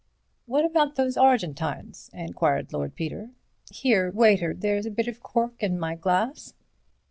"What about those Argentines?" enquired Lord Peter. "Here, waiter, there's a bit of cork in my glass."